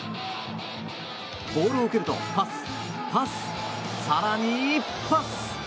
ボールを受けるとパス、パス更にパス。